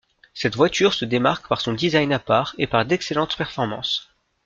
Cette voiture se démarque par son design à part et par d'excellente performance.